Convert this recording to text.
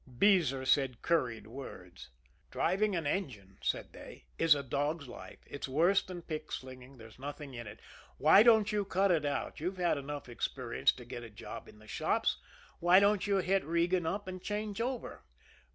Beezer said curried words. "Driving an engine," said they, "is a dog's life; it's worse than pick slinging, there's nothing in it. Why don't you cut it out? You've had enough experience to get a job in the shops. Why don't you hit Regan up and change over?"